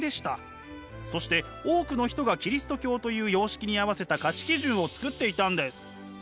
そして多くの人がキリスト教という様式に合わせた価値基準を作っていたんです。